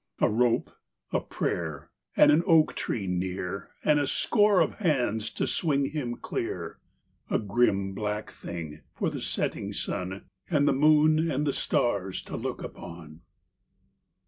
A rope; a prayer; and an oak tree near, And a score of hands to swing him clear. A grim, black thing for the setting sun And the moon and the stars to look upon.